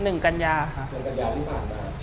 หนึ่งกัญญาที่ผ่านมา